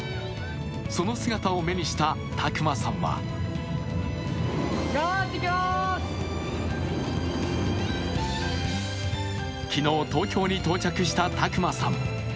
その姿を目にした拓真さんは昨日、東京に到着した拓真さん。